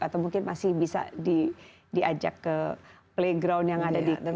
atau mungkin masih bisa diajak ke playground yang ada di indonesia